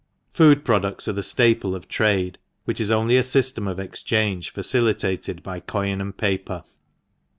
Food products are the staple of trade, which is only a system of exchange facilitated by coin and paper.